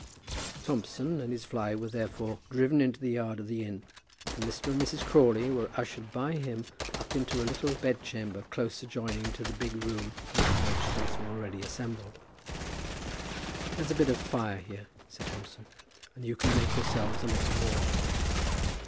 Thompson and his fly were therefore driven into the yard of the Inn, and Mr. and Mrs. Crawley were ushered by him up into a little bed chamber close adjoining to the big room in which the magistrates were already assembled. "There's a bit of fire here," said Thompson, "and you can make yourselves a little warm."